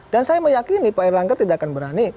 dan saya meyakini pak erlangga tidak akan berani